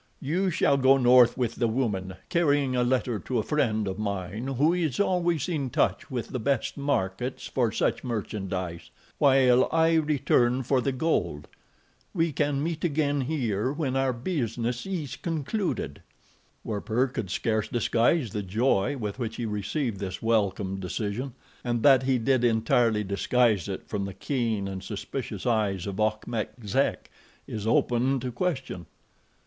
You shall go north with the woman, carrying a letter to a friend of mine who is always in touch with the best markets for such merchandise, while I return for the gold. We can meet again here when our business is concluded." Werper could scarce disguise the joy with which he received this welcome decision. And that he did entirely disguise it from the keen and suspicious eyes of Achmet Zek is open to question.